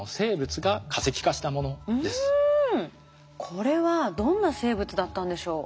これはどんな生物だったんでしょう？